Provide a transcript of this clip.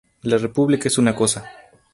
La República es una cosa.